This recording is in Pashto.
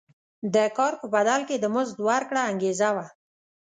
د کار په بدل کې د مزد ورکړه انګېزه وه.